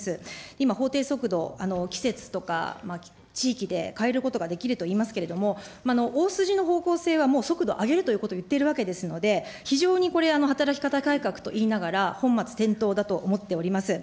今、法定速度、季節とか地域で変えることができるといいますけれども、大筋の方向性は、もう速度上げるということを言っているわけですので、非常にこれ、働き方改革と言いながら、本末転倒だと思っております。